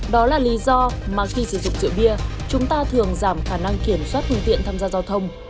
đó là lý do mà khi sử dụng rượu bia chúng ta thường giảm khả năng kiểm soát phương tiện tham gia giao thông